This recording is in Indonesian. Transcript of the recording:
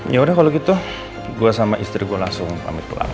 yaudah kalau gitu gue sama istri gue langsung pamit pulang